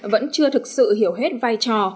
vẫn chưa thực sự hiểu hết vai trò